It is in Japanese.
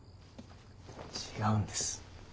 違うんです。